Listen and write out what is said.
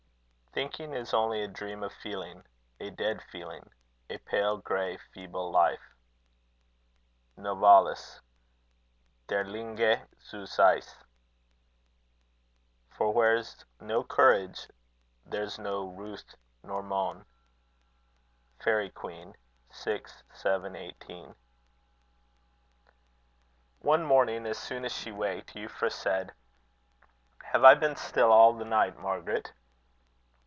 Thinking is only a dream of feeling; a dead feeling; a pale grey, feeble life. NOVALIS. Die Lehrlinge zu Sais. For where's no courage, there's no ruth nor mone. Faerie Queene: vi. 7, 18. One morning, as soon as she waked, Euphra said: "Have I been still all the night, Margaret?"